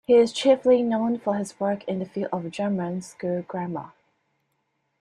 He is chiefly known for his work in the field of German school grammar.